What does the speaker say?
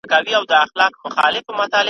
ته به سیوری د رقیب وهې په توره ,